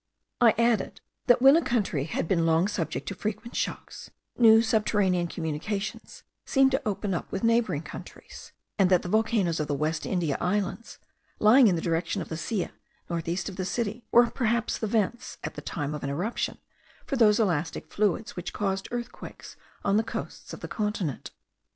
I added, that when a country had been long subject to frequent shocks, new subterranean communications seemed to open with neighbouring countries; and that the volcanoes of the West India Islands, lying in the direction of the Silla, north east of the city, were perhaps the vents, at the time of an eruption, for those elastic fluids which cause earthquakes on the coasts of the continent.